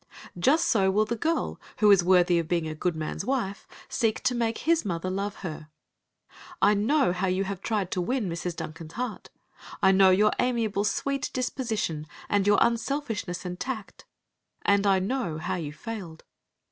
Just so will the girl, who is worthy of being a good man's wife, seek to make his mother love her. I know how you have tried to win Mrs. Duncan's heart. I know your amiable, sweet disposition, and your unselfishness and tact, and I know how you failed.